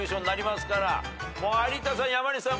もう有田さん山西さん